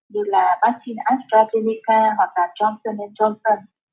như là vaccine astrazeneca hoặc johnson johnson